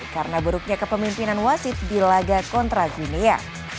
karena buruknya kepemimpinan wasit di laga kontra dunia